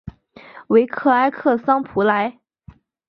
维克埃克桑普莱。